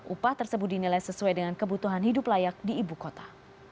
upah tersebut dinilai sesuai dengan kebutuhan hidup layak di ibu kota